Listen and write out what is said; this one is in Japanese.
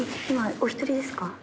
今お一人ですか？